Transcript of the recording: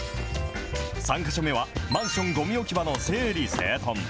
３か所目は、マンションごみ置き場の整理整頓。